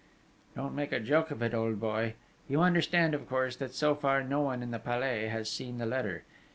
"Don't make a joke of it, old boy!... You understand, of course, that so far no one in the Palais has seen the letter!